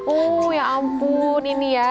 oh ya ampun ini ya